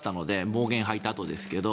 暴言を吐いたあとですけど